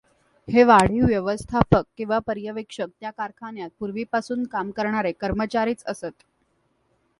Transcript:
हे वाढीव व्यवस्थापक किंवा पर्यवेक्षक त्या कारखान्यात पूर्वीपासून काम करणारे कर्मचारीच असत.